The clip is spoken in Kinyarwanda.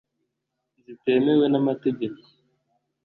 zitemewe n’amategeko